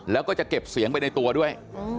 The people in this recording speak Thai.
แล้วก็จะเก็บเสียงไปในตัวด้วย